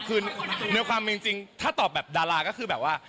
คือในความเป็นจริงถ้าตอบแบบดาราก็คือแบบว่า